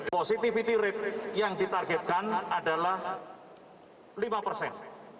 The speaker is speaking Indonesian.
positivity rate yang ditargetkan adalah lima persen